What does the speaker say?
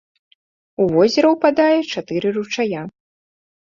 У возера ўпадае чатыры ручая.